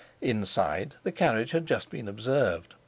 Inside, the carriage had just been observed.